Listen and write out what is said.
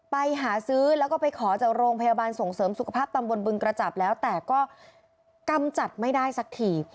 ไปหาซื้อแล้วก็ไปขอจากโรงพยาบาลส่งเสริมสุขภาพตำบลบึงกระจับแล้วแต่ก็กำจัดไม่ได้สักที